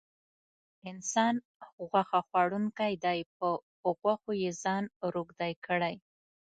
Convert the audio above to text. انسان غوښه خوړونکی دی په غوښو یې ځان روږدی کړی.